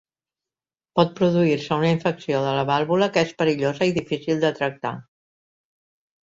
Pot produir-se una infecció de la vàlvula, que és perillosa i difícil de tractar.